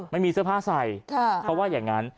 ไม่มีเสื้อผ้าใส่เขาว่าอย่างนั้น